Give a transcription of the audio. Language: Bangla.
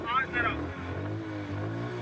আমি বললাম, এসব তুমি কী বলছ মা!